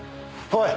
はい！